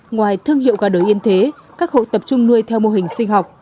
ngoài thương hiệu gà đồi yên thế các hộ tập trung nuôi theo mô hình sinh học